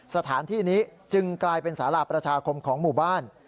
สถานที่นี้จึงกลายเป็นสาราประชาคมของหมู่บ้าน